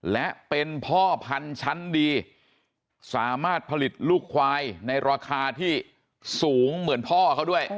และเป็นพ่อพันธุ์ชั้นดีสามารถผลิตลูกควายในราคาที่สูงเหมือนพ่อเขาด้วย